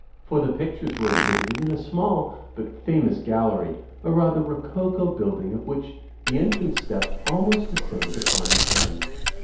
For the pictures were exhibited in a small but famous gallery, a rather rococo building of which the entrance steps almost descended upon the Thames.